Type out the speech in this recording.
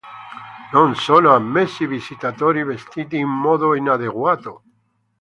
Non sono ammessi visitatori vestiti in modo inadeguato.